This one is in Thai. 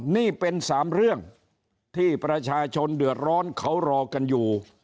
นี่เป็น๓เรื่องที่ประชาชนเดือดร้อนเขารอกันอยู่